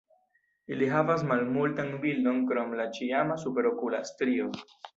Ili havas malmultan bildon krom la ĉiama superokula strio.